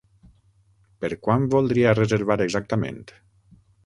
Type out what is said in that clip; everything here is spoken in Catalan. Per quan voldria reservar exactament?